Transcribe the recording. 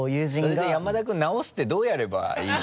それで山田君直すってどうやればいいの？